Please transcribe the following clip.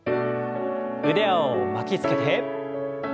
腕を巻きつけて。